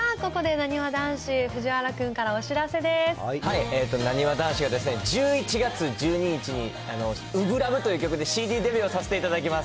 なにわ男子が１１月１２日に、初心ＬＯＶＥという曲でＣＤデビューをさせていただきます。